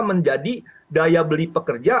menjadi daya beli pekerja